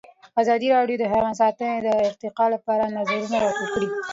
ازادي راډیو د حیوان ساتنه د ارتقا لپاره نظرونه راټول کړي.